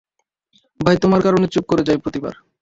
ভাই তোমার কারনে চুপ করে যাই, প্রতিবার।